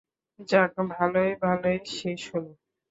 যাক, ভালোয় ভালোউ শেষ হলো!